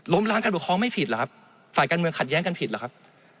ล้างการปกครองไม่ผิดเหรอครับฝ่ายการเมืองขัดแย้งกันผิดเหรอครับ